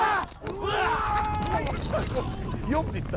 うわっ！